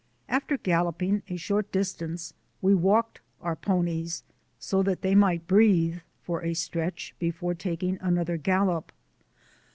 After galloping a short dis tance we walked our ponies so that they might breathe for a stretch before taking another gallop.